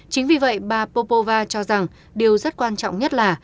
chính vì vậy bà popova cho rằng điều rất quan trọng nhất là